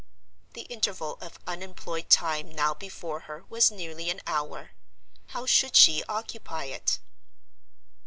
The interval of unemployed time now before her was nearly an hour. How should she occupy it?